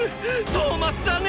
トーマスだね！